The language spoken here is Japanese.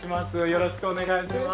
よろしくお願いします。